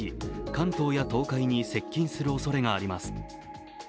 関東や東海に接近するおそれがあります。